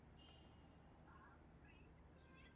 Taxonomické zařazení rodu bylo předmětem vědeckých debat.